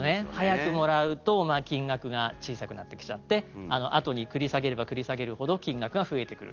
早くもらうと金額が小さくなってきちゃってあとに繰り下げれば繰り下げるほど金額が増えてくる。